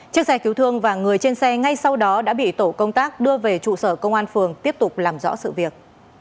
chiếc xe cứu thương và người trên xe ngay sau đó đã bị tổ công tác đưa về trụ sở công an phường tiếp tục làm rõ sự việc